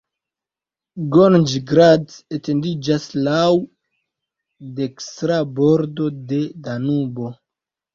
Gornji Grad etendiĝas laŭ dekstra bordo de Danubo.